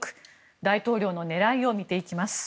大統領の狙いを見ていきます。